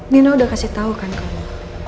nina udah kasih tau kan kamu